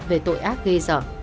về tội ác ghê dở